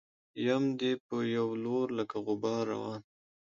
يم دې په يو لور لکه غبار روان